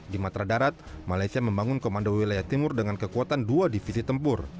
di matra darat malaysia membangun komando wilayah timur dengan kekuatan dua divisi tempur